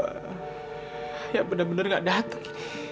ayah benar benar nggak datang